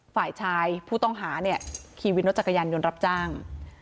ฝ่ายชายผู้ต้องหาขี่รถจักรยานยนต์รับจ้าง